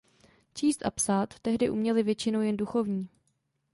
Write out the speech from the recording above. Číst a psát tehdy uměli většinou jen duchovní.